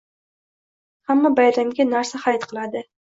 Hamma bayramga narsa xarid qiladi